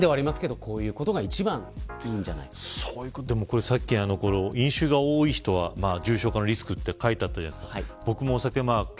でもさっき、飲酒が多い人は重症化のリスクって書いてあったじゃないですか。